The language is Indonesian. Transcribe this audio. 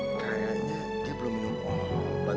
kayaknya dia belum minum ombet